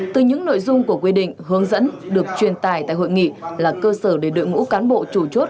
từ những nội dung của quy định hướng dẫn được truyền tải tại hội nghị là cơ sở để đội ngũ cán bộ chủ chốt